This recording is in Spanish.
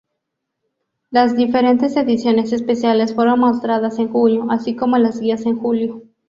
Las diferentes ediciones especiales fueron mostradas en junio, así como las guías en julio.